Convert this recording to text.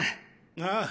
ああ。